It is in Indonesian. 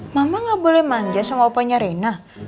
mama ga boleh manja sama opanya rena